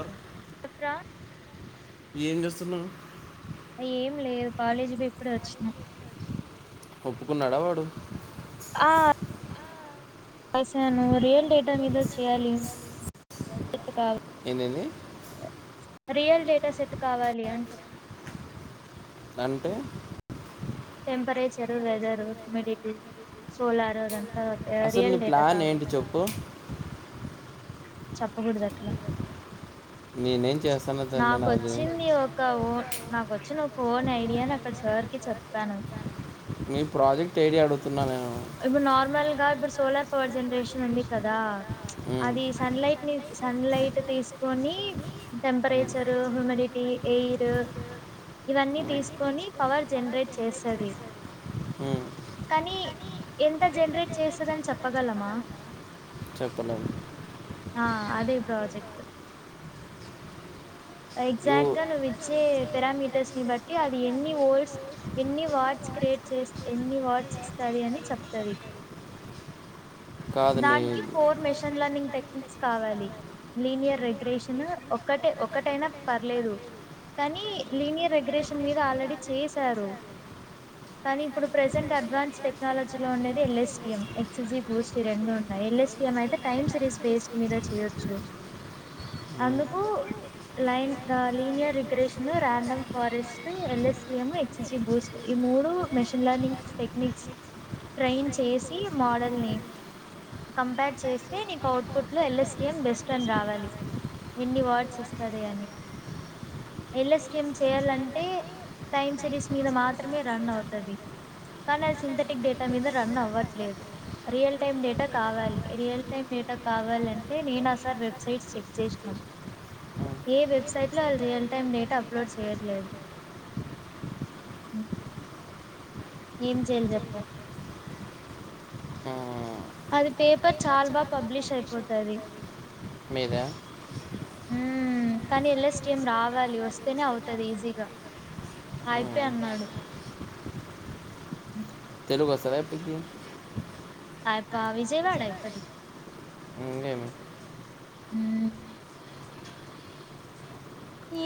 అర్ ఆ ఏం చేస్తున్నవ్ ఏం లేదు కాలేజీకి పోయి ఇప్పుడే వచ్చినా ఒప్పుకున్నాడా వాడు ఆ అసను రియల్ డేటా మీద చేయ్యాలి కావాల ఎందేందీ రియల్ డేటా సెట్ కావాలి అంట అంటే టెంపరేచరు వెదరు హ్యూమిడిటీ సోలార్ అదంతా ఆ రియల్డేట కావాలి చెప్పు చెప్పకూడదట్ల నేనేం చేస్తాను తండి నాది క ఓన్ నాకొచ్చిన ఒక ఓన్ ఐడియాని అక్కడ సార్కి చెప్పాను మీ ప్రాజెక్ట్ ఏడి అడుగుతున్న నేను ఇప్పుడు నార్మల్ గా ఇప్పుడు సోలార్ పవర్ జనరేషన్ ఉంది కదా అది సన్ లైట్ ని సన్ లైట్ తీసుకొని టెంపరేచర్ హ్యూమిడిటీ ఎయిర్ ఇవన్నీ తీసుకొని పవర్ జనరేట్ చేస్తది కనీ ఎంత జనరేట్ చేస్తదని చెప్పగలమా చెప్పలేం ఆ అదే ప్రాజెక్ట్ ఎగ్జాక్ట్గా నువ్వు ఇచ్చే పరామీటర్స్ ని బట్టి అది ఎన్ని ఓల్డ్స్ ఎన్ని వర్డ్స్ క్రియేట్చే ఎన్ని వర్డ్స్ ఇస్తది అని చెప్తది దానికి ఫోర్ మెషన్లనింగ్ పేట్ బుక్స్ కావాలి లీనియర్ రెగ్యురేషన్ ఒకటే ఒకటైన పర్లేదు కానీ లీనియర్ రెగ్రురేషన్ మీద ఆల్రెడీ చేసారు కానీ ఇప్పుడు ప్రజెంట్ అడ్వాన్స్ టెక్నాలజీ లో ఉండేది ఎల్ఎస్టిఎం ఎక్స్జీ బూస్ట్ రెండు ఉన్నాయి ఎల్ఎస్టిఎం అయితే టైమ్ సిరీస్ బేస్డ్ మీద చేయొచ్చు అందుకు line linear regression random forest L STM XG boost ఈ మూడు మెషిన్ లర్నింగ్ టెక్నిక్స్ ట్రైన్ చేసి మోడల్ ని కంపేర్ చేస్తే నీకు అవుట్ పుట్ లో ఎల్ఎస్టిఎం బెస్ట్ అని రావాలి ఎన్ని వర్డ్స్ ఇస్తద అని ఎల్ఎస్టిఎం చేయాలంటే టైమ్ సిరీస్ మీద మాత్రమే రన్ అవుతుది కానీ అది సింథెటిక్ డేటా మీద రన్ అవ్వట్లేదు రియల్ టైమ్ డేటా కావాలి రియల్ టైమ్ డేటా కావాలింటే ఆ సార్ వెబ్సైట్ చెక్ చేసినాను ఏ వెబ్సైట్ లో వాళ్ళ రియల్ టైమ్ డేటా అప్లోడ్ చేయట్లేదు ఏం చేయలి చెప్ప అది పేపర్ చాలా బా పబ్లిష్ అయిపోతుది మీద ఉం కానీ ఎల్ ఎస్ డి ఎమ్ రావాలి వస్తేనే అవుతది ఈజీగా అయెప్పే అన్నాడు తెలుగు వస్తదా అప్పీకి ఆ పా విజయవాడ ఆ అబ్బాయిది ఉం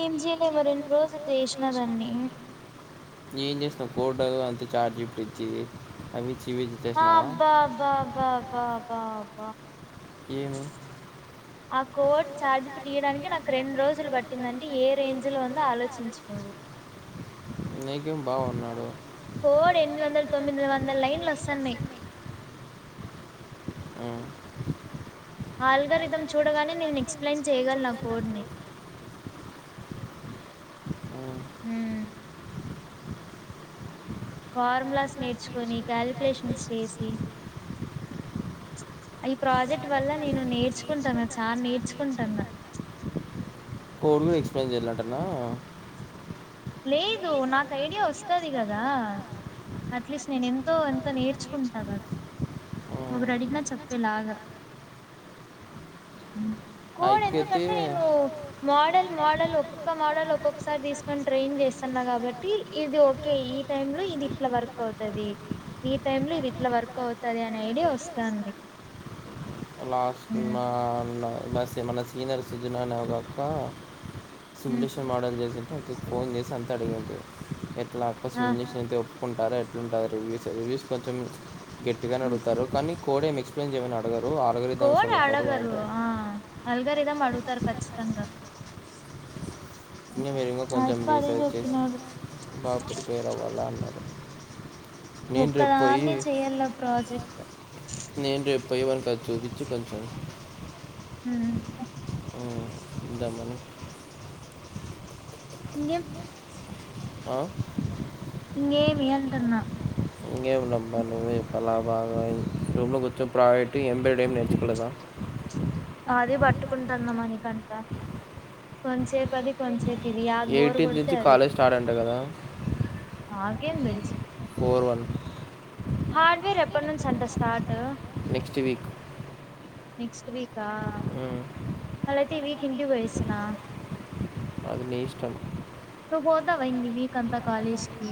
ఏం చేయలేయ మరి ఇన్ని రోజులు చేసినాదాన్ని ఏం చేస్తావ్ కోట [unintelligible] అంతే చాట్ జీపీటీ ఇచ్చి అవిచ్చి ఇవి హ బా బా బా బా బాబా ఏమి ఆ కోడ్ చాట్ జిపిటి ఇయడానికి నాకు రెండు రోజులు పట్టిందంటే ఏ రేంజ్ లో ఉందో ఆలోచించు నువు నీకేం బావున్నాడు కోడ్ ఎనిమిది వందల తొమ్మిది వందల లైన్లు వస్తున్నాయి ఆ ఆల్గరిదం చూడగానే నేను ఎక్స్ప్లెయిన్ చేయగలను ఆ కోడ్ ని ఉం ఫార్ములాస్ నేర్చుకొని కాల్క్యులేషన్స్ చేసి ఈ ప్రాజెక్ట్ వల్ల నేను నేర్చుకుంటాన్న చాలా నేర్చుకుంటాన్న కోడ్లు కూడా ఎక్స్ప్లెయిన్ చేయాలంటన్న లేదు నాకు ఐడియా వస్తది కదా అట్లీస్ట్ నేను ఎంతో ఎంతో నేర్చుకుంటా అదా ఒకరు అడిగినా చెప్పేలాగా కోడ్ ఎందుకంటే నేను మోడల్ మోడల్ ఒక్కొక్క మోడల్ ఒక్కొక్కసారి తీసుకని ట్రైన్ చేస్తున్నా కాబట్టి ఇది ఓకే ఈ టైమ్ లో ఇది ఇట్లా వర్క్ అవుతుది ఈ టైమ్ లో ఇది ఇట్లా వర్క్ అవుతది అనే ఐడియా వస్తుంది లాస్ట్ మా నా మన సీనియర్ సిజన్నే కాక [unintelligible] సిమ్యులేషన్ మోడల్ చేసయితే ఫోన్ చేసి అంత అడిగింది ఎట్లా అ సిమ్లేషన్ అయితే [unintelligible] [unintelligible] చెకుంటారు ఎట్లుంటారు రివ్యూస్ రివ్యూస్ కొంచెం గట్టిగా అడుగుతారు కానీ కోడ్ ఏమీ ఎక్స్ప్లయిన్ చేయమని అడగరు కోడ్ అడగరు ఆ అల్గారిదాం అడుగుతారు ఖచ్చితంగా ఇంగా కొంచెం రీసెర్చ్ చేయత నాకు పేరు రావాల్ల అన్నారు ఒక్కదాన్ని చేయాల్ల ప్రాజెక్ట్ నేను రేపు పోయ్యి వానికి అది చూపించి కొంచెం మ్మ్ [unintelligible] అవును ఉందామని ఇంగేం ఆ ఇంగేమి అంటాన్న ఇంగేం లేమ్మా నువ్వే చెప్పల్లా బాగ రూమ్ లో కుర్చొని ప్రావేట్ ఎంబ్రాయిడరీ ఏం నేర్చుకొలేద అదే పట్టుకుంటన్న మణికంఠ కొంచేపు అది కొంచేపు ఇది యాద్ బోర్ కొడితే అది నాకేం తెలుస్ ఫోర్ వన్ హార్డ్వేర్ ఎప్పడు నుంచంటా స్టార్ట్ నెక్స్ట్ వీక్ నెక్స్ట్ వీకా మళ్ళా అయితే ఈ వీక్ ఇంటికి పొయ్యివస్తున అది నీ ఇష్టం నువ్వు పోతావా ఇంగ ఈ వీక్ అంతా కాలేజ్ కి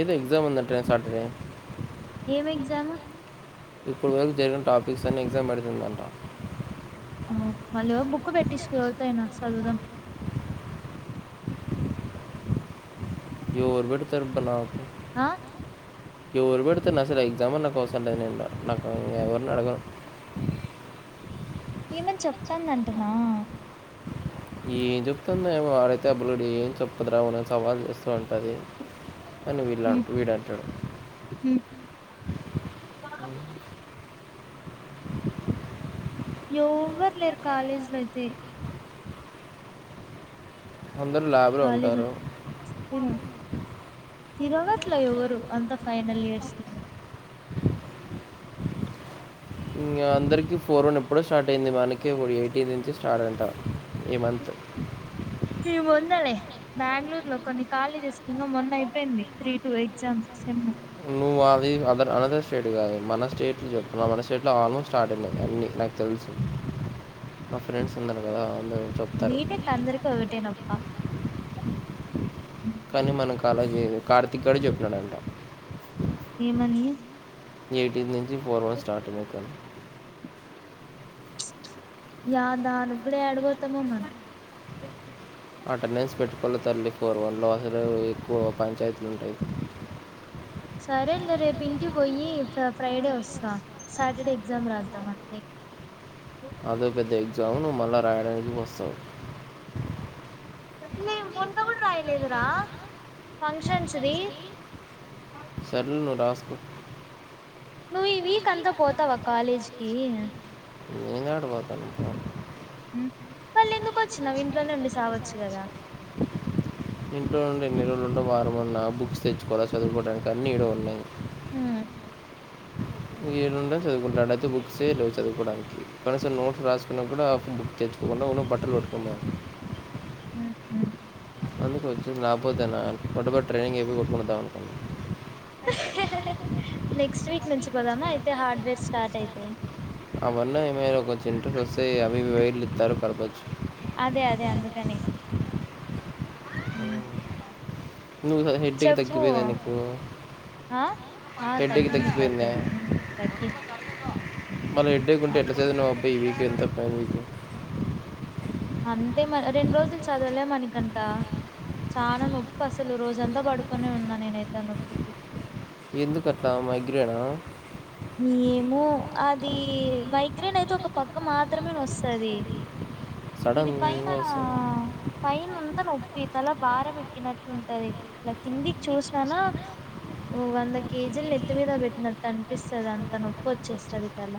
ఏదో ఎగ్జామ్ ఉందటానే సాటర్డే ఏం ఎగ్జాము ఇప్పుడు వరకు జరిగిన టాపిక్స్ అన్ని ఎగ్జామ్ పెడుతుందంటా హలో బుక్ పెట్టించుకో ఏవాళ్తో అయిన చదువుదాం ఎవరు పెడతారబ్బ నాకు ఆ ఎవరు పెడుతారు నిను అసలు ఆ ఎగ్జామ్ ఏ నాకవసరం లేదు నేను రాను నాకు ఎవరిని అడగను ఏమన్నా చెప్తాందంటాన ఏం చెప్తుందొ ఆమె వాడు అయితే ఆ పిల్లొడు ఏం చెప్పదు రా ఉరికినే సవాల్ చేస్తా ఉంటాది అని వీళ్ళ వీడంటాడు మ్మ్ ఎవ్వరు లేరు కాలేజ్ లో అయితే అందరూ ల్యాబ్ లో ఉంటారు ఓ తిరుగట్లె ఎవ్వరు అంత ఫైనల్ ఇయర్స్ ఏ ఇంగా అందరికీ ఫోర్ వన్ ఎప్పుడో స్టార్ట్ అయింది మనకే ఎయిటీ నుంచి స్టార్ట్ అంటా ఈ మంత్ నీ బొందలే బెంగుళూరు లో కొన్ని కాలేజెస్ కి ఇంకా మొన్న అయిపోయింది త్రీ టూ ఎగ్జామ్ సెమ్ నువ్వు అది అదర్ అనెదర్ స్టేట్ కాదు మన స్టేట్లో చెప్పు మన స్టేట్లో ఆల్మోస్ట్ స్టార్ట్ అయినాయి అన్నీ నాకు తెలుసు నా ఫ్రెండ్స్ ఉన్నారు కదా అందరు బిటెక్ అందరికీ ఒకటేనప్పా కానీ మనం కాలేజ్ లేదు కార్తీక్ గాడే చెప్పినడంట ఏమని ఎయిటీన్త్ నుంచి ఫోర్ వన్ స్టార్ట్ మీకు అనీ యా దానికి క్కూడ యాడబొతామో మనం అటెండెన్స్ పెట్టుకోల్ల తల్లి ఫోర్ వన్లో అసలు ఎక్కువ పంచాయతీలు ఉంటాయి సరేలే రేపు ఇంటికి పోయి ఫ్రై డే వస్తా సాటర్డే ఎగ్జామ్ రాద్దాం అంతే అదో పెద్ద ఎగ్జామ్ నువ్వు మళ్ళా రాయడానికి వస్తావు [unintelligible] మొన్న గుడ రాయలేదురా ఫంక్షన్స్ ది. సర్లే నువ్వు రాసుకో నువ్వు ఈ వీక్ అంతా పోతావా కాలేజ్ కి? నేను ఏడ పోతాను? ఉమ్ మళ్ళ ఎందుకు వచ్చినవ్ఇంట్లోనే ఉండి సావచ్చు కదా. ఇంట్లో నుండి ఎన్ని రోజులు ఉంటవ్ వారం ఉన్న, బుక్స్ తెచ్చుకోవాల చదువుకోవడానికి అన్నీ ఈడే ఉన్నయి. హ్మ్ ఏడుండ చదువుకుంటాడ అతే బుక్సే లేవు చదుకోవడానికి, కనీసం నోట్స్ రాసుకున్న కూడా బుక్ తెచ్ ఇప్పువున్నవున్న బట్టలు పట్టుకొనిరా ఉహు అందుకు వచ్చిన లపోతేనా పొటుపడి ట్రైనింగ్ అయిపో కొట్కుంటాం ఉన్నం నెక్స్ట్ వీక్ నుంచి పోదామా అయితే హార్డ్వేర్ స్టార్ట్ అయితే. అవన్నే ఏమైన కొంచెం ఇంట్రస్ వస్తయి అవి ఇవి వేళు ఇత్తారు కడపొచ్చు. అదే అదే అందుకని ఉమ్ నువ్వు నా హెడేక్ తగ్గిపోయిందా నీకు? ఆ ఆ తగ్గింది పర్లేదు, హ్మ్ తగ్గింది మారే హెడేక్ ఉంటే ఎట్ల చేసినవు అబ్బయి ఈ నీకు ఎంతప్ప నీకు అంటె మ రెండు రోజులు చదవలే మణికంట. చాలా నొప్ప అసలు రోజంతా పడుకొనే ఉన్నా నేనైతే ఆ నొప్పికి ఎందుకు అట్లా మైగ్రేనా? ఏమో అది మైగ్రైన్ అయితే ఒక పక్క మాత్రమే వస్తది. ఇది పైనా పైన అంతా నొప్పి తల భారం ఎక్కినట్టు ఉంటది, ఇగ ఇలా కిందికి చూసినానా ఓ వంద కేజీలు నెత్తి మీద పెట్టినట్ అన్ పిస్తది అంత నొప్పి వచ్చేస్తది తల,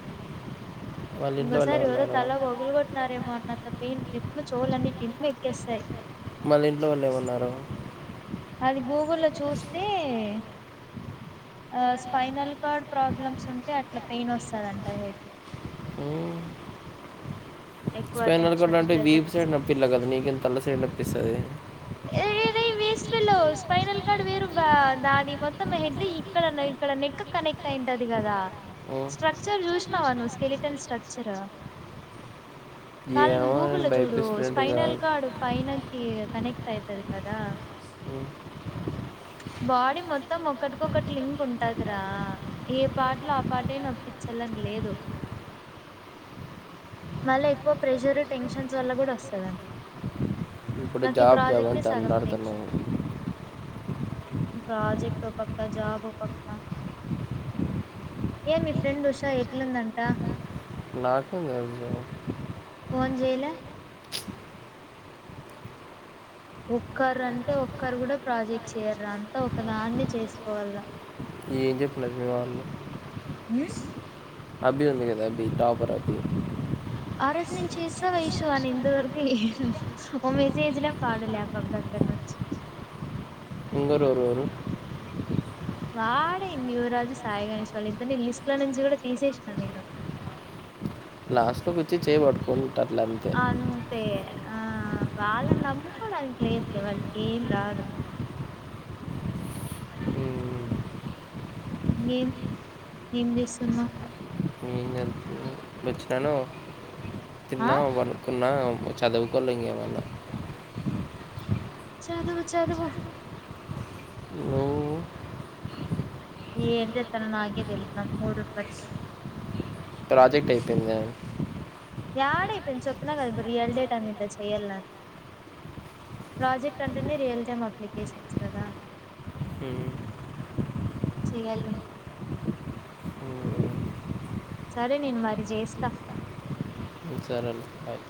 ఇంగోసారి ఎవరో తల వగులు కొట్ నారేమో అన్నంత ఫీల్ డిమ్ చెవులన్నీ డిమ్ ఎక్కేస్తయి. మళ్ళ ఇంట్లో వాళ్ళు ఎవరు ఉన్నారు? అది గూగుల్లో చూస్తే ఆ స్పైనల్ కార్డ్ ప్రాబ్లమ్స్ ఉంటే అట్లా పెయిన్ వస్తుదంట హెడ్ హ్మ్ స్పైనల్ కర్డ్ అంటే వీపు సైడ్ నప్పిలా కద నీకేంది [unintelligible] సైడ్ నొప్పిస్తది. వేస్ట్ఫెల్లో స్పైనల్ కర్డ్ వేరు రా దాని మొత్తం హెడ్ ఇక్కడ ఉన్నది ఇక్కడ నెక్ కనెక్ట్ అయింటది కదా స్ట్రక్చర్ జూసినవా నువ్ స్కెలిటెన్ స్ట్రక్చర్ కాలంటే గూగుల్లో చూడు స్పైనల్ కాడు పైనకి కనెక్ట్ అయితది కదా బాడీ మొత్తం ఒకటికొకటి లింక్ ఉంటాదిరా ఏ పార్ట్ లో ఆ పార్టె నొప్పించలని లేదు. మళ్ళ ఎక్కువ ప్రెషర్ టెన్షన్స్ వల్ల గుడ వస్తదంట. ఇప్పుడు జాబ్ జాబ్ అని తండలాడుతున్నవ్ ప్రాజెక్ట్ ఒక పక్క జాబ్ ఒక పక్క ఏ మీ ఫ్రెండ్ ఉషా ఎట్లుందంటా [unintelligible] ఫోన్ చేయలే ఒక్కరు అంటే ఒక్కరు కూడా ప్రాజెక్ట్ చేయరు అంతా ఒక దాన్ని చేసుకోవల్ల ఏం చెప్పినారు మీ వాళ్ళు అబీ ఉంది కదా అబి టాపర్ అబి ఆ రోజు నేను చేస్త వైషు అని ఇంతవరకు ఓ మెసేజ్ లే పాడు లే ఆ పాప దగ్గర నుంచి [unintelligible] వాడే న్యూ రాజు సాయి గణేష్ వాళ్ళు ఇద్దరిని లిస్ట్ లో నుంచి కూడ తీసేసినా నేను లాస్ట్ లో కొచ్చి చేయి పట్టుకుంటారులే అంతే అయితే ఆ వాళ్ళని నమ్ముకోడానికి లేదు వాళ్ళకి ఏం రాదు ఏం ఏం చేస్తున్నావ్ ఎం [unintelligible] వచ్చినాను తిన్న పనుకున్న చదువుకోలా ఇంకేమన్నా చదువు చదువు ఏం [unintelligible] నాకే తెలియదు నా మూడ్ ని బట్టి ప్రాజెక్ట్ అయిపోయింద యాడ అయిపోయింది చెప్పినా కదా ఇప్పుడు రియల్ డేటా మీద చేయాలనీ ప్రాజెక్ట్ అంటేనే రియల్ టైమ్ అప్లికేషన్స్ కదా ఉ చేయా [unintelligible] సరే నేను మరి చేస్త హ్మ్ సరేలే బాయ్